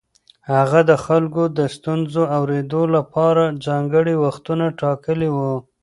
هغه د خلکو د ستونزو اورېدو لپاره ځانګړي وختونه ټاکلي وو.